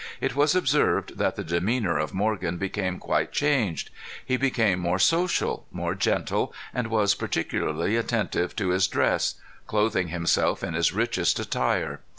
It was observed that the demeanor of Morgan became quite changed. He became more social, more gentle, and was particularly attentive to his dress, clothing himself in his richest attire.